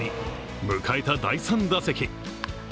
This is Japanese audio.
迎えた第３打席。